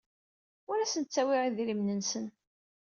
Ur asen-ttawyeɣ idrimen-nsen.